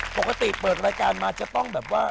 ปกติเปิดรายการมาจะต้องแบบว่า